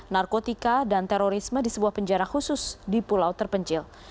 narkotika dan terorisme di sebuah penjara khusus di pulau terpencil